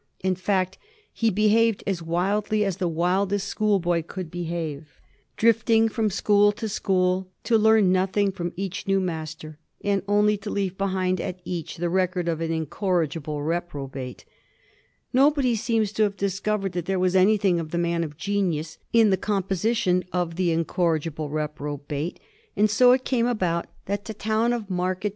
In fact, he behaved as wildly as the wildest school boy could behave — drifting from school to school, to learn nothing from each new master, and only to leave behind at each the record of an incorrigible reprobate. Nobody seems to have discovered that there was anything of the man of genius in the composition of the incorrigible reprobate, and so it came about that the town of Market 256 ^ HISTOBT OF THE FOUR GEOBGEa cb.zzxtiii.